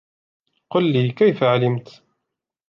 قل لي, كيف علمتَ؟